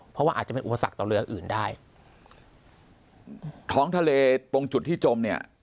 เพราะว่าอาจจะเป็นอุปสรรคต่อเรืออื่นได้ท้องทะเลตรงจุดที่จมเนี่ย